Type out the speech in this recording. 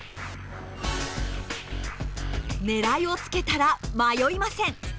狙いをつけたら迷いません。